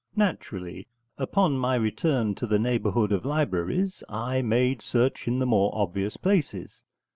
Naturally, upon my return to the neighbourhood of libraries, I made search in the more obvious places.